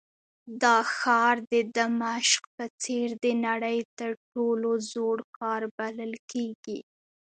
دا ښار د دمشق په څېر د نړۍ تر ټولو زوړ ښار بلل کېږي.